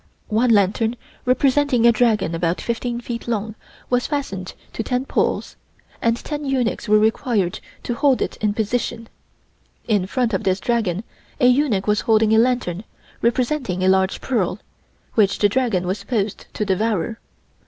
One lantern representing a dragon about fifteen feet long was fastened to ten poles, and ten eunuchs were required to hold it in position. In front of this dragon a eunuch was holding a lantern representing a large pearl, which the dragon was supposed to devour.